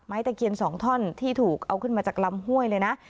ไม้แต่เกียรสองท่อนที่ถูกเอาขึ้นมาจากลำห้วยเลยนะ